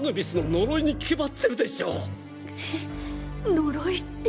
呪いって？